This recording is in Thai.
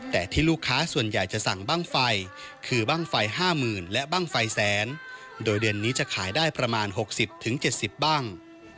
แต่ที่ลูกค้าส่วนใหญ่จะสั่งบ้างไฟคือบ้างไฟ๕๐๐๐และบ้างไฟแสนโดยเดือนนี้จะขายได้ประมาณ๖๐๗๐บ้าง